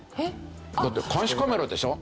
だって監視カメラでしょ？